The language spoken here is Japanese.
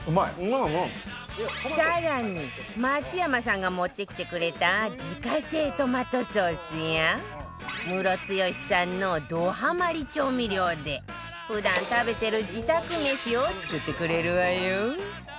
さらに松山さんが持ってきてくれた自家製トマトソースやムロツヨシさんのどハマり調味料で普段食べてる自宅飯を作ってくれるわよ